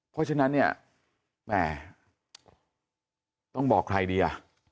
เพราะฉะนั้นแหม่ต้องบอกใครดี